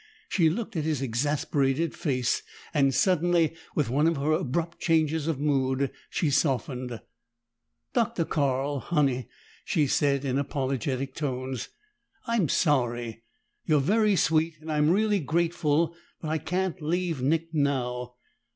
She looked at his exasperated face, and suddenly, with one of her abrupt changes of mood, she softened. "Dr. Carl, Honey," she said in apologetic tones, "I'm sorry. You're very sweet, and I'm really grateful, but I can't leave Nick now."